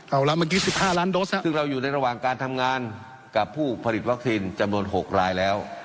เอาละเมื่อกี้๑๕ล้านโดสซึ่งเราอยู่ในระหว่างการทำงานกับผู้ผลิตวัคซีนจำนวน๖รายแล้ว